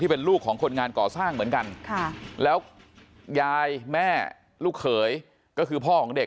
เป็นลูกของคนงานก่อสร้างเหมือนกันแล้วยายแม่ลูกเขยก็คือพ่อของเด็ก